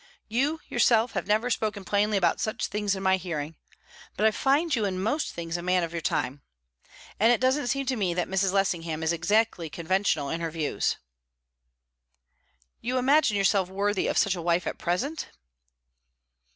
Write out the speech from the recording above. "You yourself have never spoken plainly about such things in my hearing; but I find you in most things a man of your time. And it doesn't seem to me that Mrs. Lessingham is exactly conventional in her views." "You imagine yourself worthy of such a wife at present?"